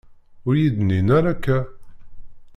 Ur yi-d-nnin ara akka.